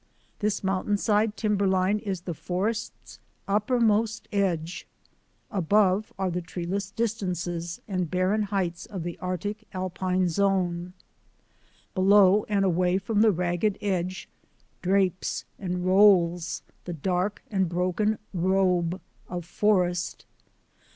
This mountainside timberline is the forest's uppermost edge. Above are the treeless distances and barren heights of the Arctic alpine zone. Below and away from the ragged edge drapes and rolls the dark and broken robe of forest.